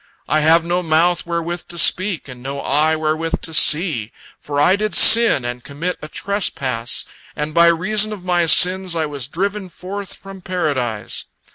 I have no mouth wherewith to speak and no eye wherewith to see, for I did sin and commit a trespass, and, by reason of my sins, I was driven forth from Paradise.